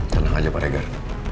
tenang aja pak reger